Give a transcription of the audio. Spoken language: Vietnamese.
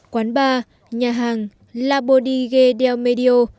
quán bar nhà hàng la bodigue del medio